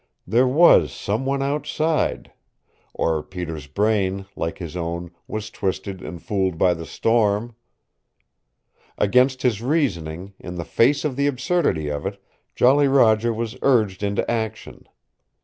THERE WAS SOME ONE OUTSIDE or Peter's brain, like his own, was twisted and fooled by the storm! Against his reasoning in the face of the absurdity of it Jolly Roger was urged into action.